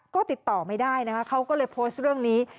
ก็ติดต่อไม่ได้นะคะเขาก็เลยโพสต์เรื่องนี้